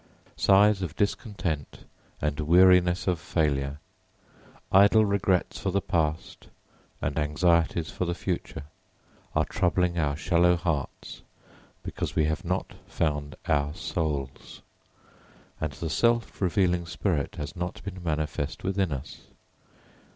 Sighs of discontent and weariness of failure, idle regrets for the past and anxieties for the future are troubling our shallow hearts because we have not found our souls, and the self revealing spirit has not been manifest within us.